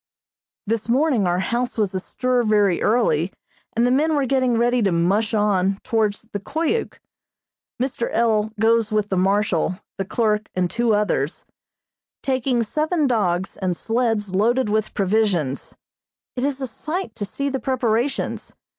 This morning our house was astir very early, and the men were getting ready to "mush on" towards the Koyuk. Mr. L. goes with the Marshal, the clerk, and two others, taking seven dogs and sleds loaded with provisions. It is a sight to see the preparations.